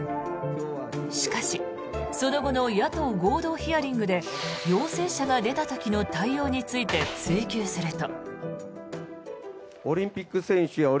しかしその後の野党合同ヒアリングで陽性者が出た時の対応について追及すると。